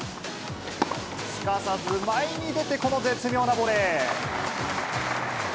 すかさず前に出て、この絶妙なボレー。